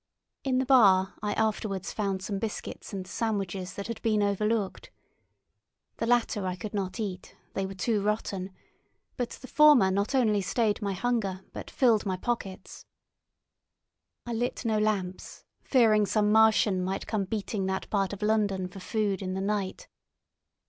In the bar I afterwards found some biscuits and sandwiches that had been overlooked. The latter I could not eat, they were too rotten, but the former not only stayed my hunger, but filled my pockets. I lit no lamps, fearing some Martian might come beating that part of London for food in the night.